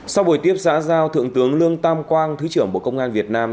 sau buổi tiếp xã giao thượng tướng lương tam quang thứ trưởng bộ công an việt nam